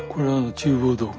厨房道具？